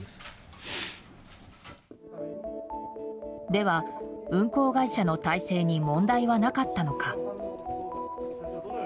では、運航会社の体制に問題はなかったのか。